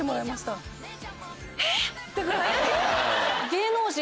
えっ⁉